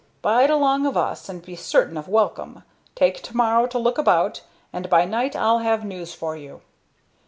Bide along of us, and be certain of welcome. Take to morrow to look about, and by night I'll have news for you."